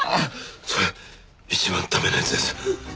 それ一番駄目なやつです。